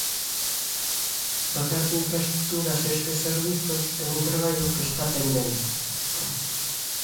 Dotar de infraestruturas estes servizos é un traballo que está pendente.